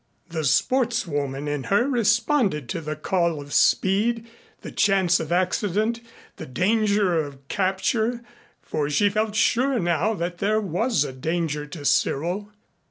The sportswoman in her responded to the call of speed, the chance of accident, the danger of capture for she felt sure now that there was a danger to Cyril.